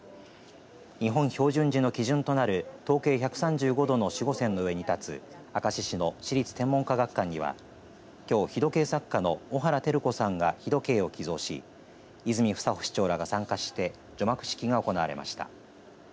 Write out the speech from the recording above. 日本標準時の基準となる東経１３５度の子午線の上に立つ明石市の市立天文科学館にはきょう日時計作家の小原輝子さんが日時計を寄贈し泉房穂市長らが参加して除幕式が行われました。